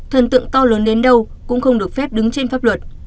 thần tượng to lớn đến đâu cũng không được phép đứng trên pháp luật